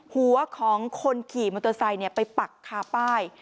หัวของคนขี่มอเตอร์ไซค์ไปปักคาป้าย